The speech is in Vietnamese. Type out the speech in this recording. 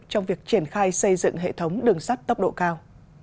trong việc triển khai xây dựng hệ thống đường sắt tốc độ cao